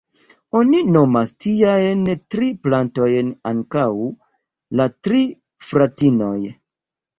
Oni nomas tiajn tri plantojn ankaŭ ""la tri fratinoj"".